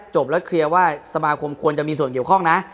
จบแล้วเคลียร์ว่าสมาคมควรจะมีส่วนเกี่ยวข้องนะ